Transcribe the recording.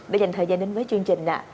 đã dành thời gian đến với chương trình